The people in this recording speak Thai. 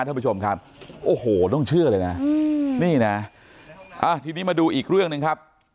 ท่านผู้ชมครับโอ้โหต้องเชื่อเลยนะนี่นะทีนี้มาดูอีกเรื่องหนึ่งครับ